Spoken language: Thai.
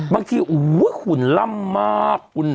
บางทีหุ่นล่ำมากคุณ